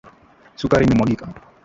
Sukari imemwagika.